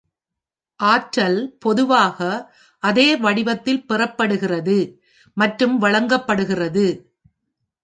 ஆற்றல் பொதுவாக அதே வடிவத்தில் பெறப்படுகிறது மற்றும் வழங்கப்படுகிறது.